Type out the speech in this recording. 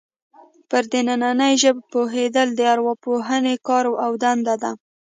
پر دنننۍ ژبې پوهېدل د ارواپوهنې کار او دنده ده